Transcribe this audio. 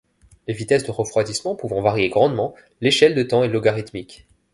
Les vitesses de refroidissement pouvant varier grandement, l'échelle de temps est logarithmique.